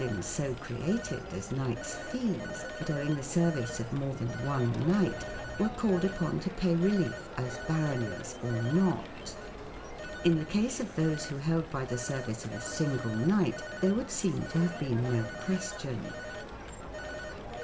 IN THE GREAT CHARTER 71 as knights' fees, but owing the service of more than one knight, were called upon to pay relief as " baronies" or not. In the case of those who held by the service of a single knight there would seem to have been no question.